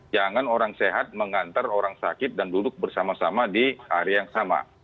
jangan orang sehat mengantar orang sakit dan duduk bersama sama di area yang sama